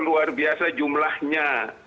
luar biasa jumlahnya